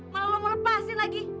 malah lo mau lepasin lagi